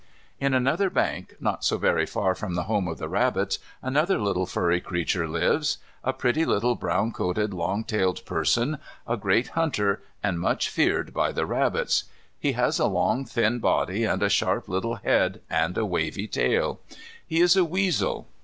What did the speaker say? In another bank, not so very far from the home of the rabbits, another little furry creature lives, a pretty little brown coated, long tailed person, a great hunter, and much feared by the rabbits. He has a long, thin body, and a sharp little head, and a wavy tail. He is a weasel.